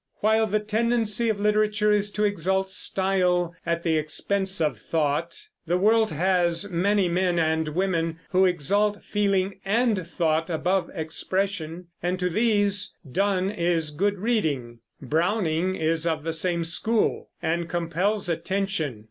While the tendency of literature is to exalt style at the expense of thought, the world has many men and women who exalt feeling and thought above expression; and to these Donne is good reading. Browning is of the same school, and compels attention.